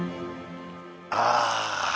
ああ。